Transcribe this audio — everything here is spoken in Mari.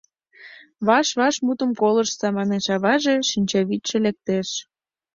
Ваш-ваш мутым колыштса, — манеш аваже, шинчавӱдшӧ лектеш.